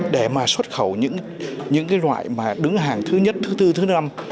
để mà xuất khẩu những loại mà đứng hàng thứ nhất thứ tư thứ năm